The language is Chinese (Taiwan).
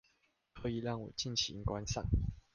可以讓我盡情觀賞